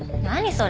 それ。